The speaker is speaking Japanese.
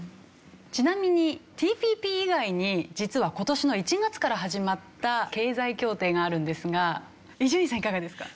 ちなみにＴＰＰ以外に実は今年の１月から始まった経済協定があるんですが伊集院さんいかがですか？